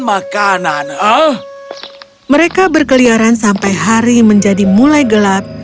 makanan mereka berkeliaran sampai hari menjadi mulai gelap